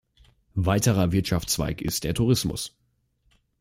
Weiterer Wirtschaftszweig ist der Tourismus.